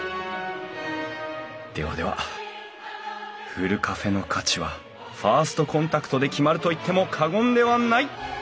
ではではふるカフェの価値はファーストコンタクトで決まると言っても過言ではない！